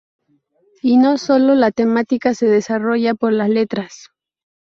Y no sólo la temática se desarrolla por las letras.